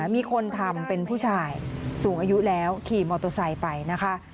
มีคนทำเป็นผู้ชายสูงอายุแล้วขี่มอเตอร์ไซค์ไปนะคะ